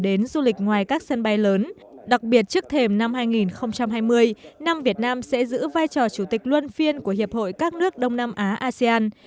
đặc biệt trước thềm năm hai nghìn hai mươi năm việt nam sẽ giữ vai trò chủ tịch luân phiên của hiệp hội các nước đông nam á asean